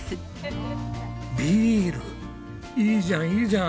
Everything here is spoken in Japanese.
いいじゃんいいじゃん。